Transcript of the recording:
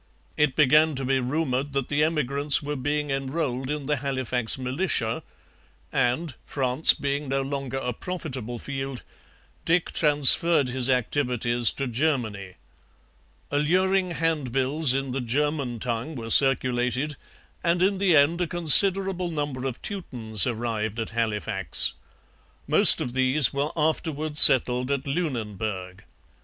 It began to be rumoured that the emigrants were being enrolled in the Halifax militia; and, France being no longer a profitable field, Dick transferred his activities to Germany. Alluring handbills in the German tongue were circulated, and in the end a considerable number of Teutons arrived at Halifax. Most of these were afterwards settled at Lunenburg.